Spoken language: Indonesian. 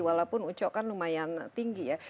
walaupun ucok kan lumayan tinggi ya